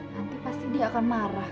nanti pasti dia akan marah